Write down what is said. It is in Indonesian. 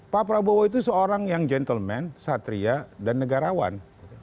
pak prabowo itu seorang yang gentleman satria dan negarawan